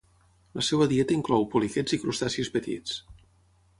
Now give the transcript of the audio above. La seua dieta inclou poliquets i crustacis petits.